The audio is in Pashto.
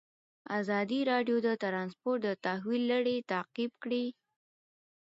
ازادي راډیو د ترانسپورټ د تحول لړۍ تعقیب کړې.